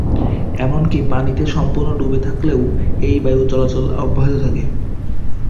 এমনকি পানিতে সম্পূর্ণ ডুবে থাকলেও এ বায়ু চলাচল অব্যাহত থাকে।